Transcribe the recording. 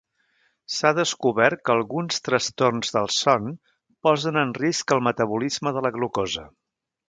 S'ha descobert que alguns trastorns del son posen en risc el metabolisme de la glucosa.